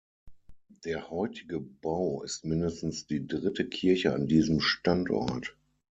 Der heutige Bau ist mindestens die dritte Kirche an diesem Standort.